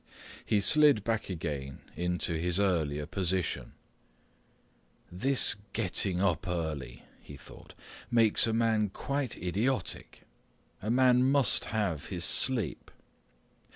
He slid back again into his earlier position. "This getting up early," he thought, "makes a man quite idiotic. A man must have his sleep.